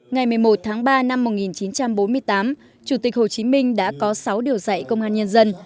ngày một mươi một tháng ba năm một nghìn chín trăm bốn mươi tám chủ tịch hồ chí minh đã có sáu điều dạy công an nhân dân